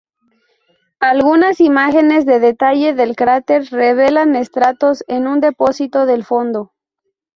Algunas imágenes de detalle del cráter revelan estratos en un depósito del fondo.